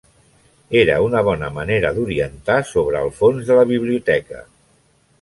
Era una bona manera d'orientar sobre els fons de la Biblioteca.